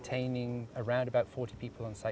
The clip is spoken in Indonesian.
sekitar empat puluh orang di tempat ini